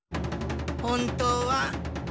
本当は。